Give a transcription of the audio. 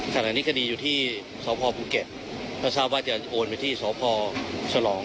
ขณะนี้คดีอยู่ที่ศพพูเก็ตพระชาวบาทจะโอนไปที่ศพฉลอง